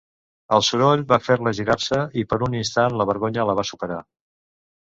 El soroll va fer-la girar-se, i per un instant la vergonya la va superar.